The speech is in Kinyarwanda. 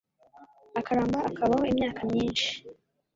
akaramba akabaho imyaka myinshi